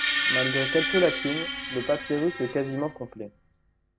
Malgré quelques lacunes, le papyrus est quasiment complet.